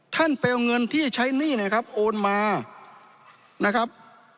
ท่านไปเอาเงินที่ใช้หนี้เนี่ยครับโอนมานะครับ